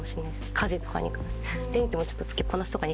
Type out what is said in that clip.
家事とかに関して。